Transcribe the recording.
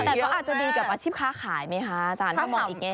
แต่ก็อาจจะดีกับอาชีพค้าขายไหมคะอาจารย์ถ้ามองอีกแง่